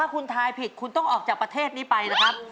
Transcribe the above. คุณถ้าที่ฉันออกจากประเทศนี้ไป